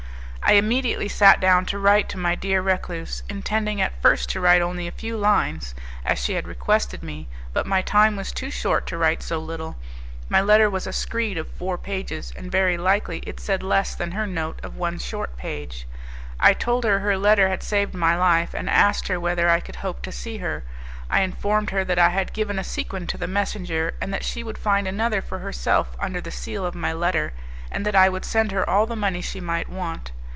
I immediately sat down to write to my dear recluse, intending at first to write only a few lines, as she had requested me; but my time was too short to write so little. My letter was a screed of four pages, and very likely it said less than her note of one short page. I told her her letter had saved my life, and asked her whether I could hope to see her. I informed her that I had given a sequin to the messenger, that she would find another for herself under the seal of my letter, and that I would send her all the money she might want.